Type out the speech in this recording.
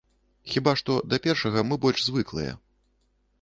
Хіба што да першага мы больш звыклыя.